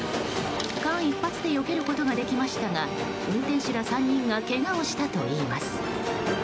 間一髪で避けることができましたが運転手ら３人がけがをしたといいます。